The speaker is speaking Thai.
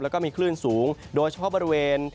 แล้วก็มีคลื่นสูงโดยเฉพาะบริเวณ